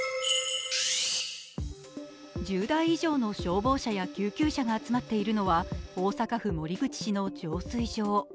１０台以上の消防車や救急車が集まっているのは大阪府守口市の浄水場。